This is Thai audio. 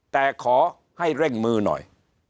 แต่ขอให้เร่งมือหน่อย